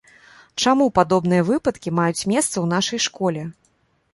Чаму падобныя выпадкі маюць месца ў нашай школе?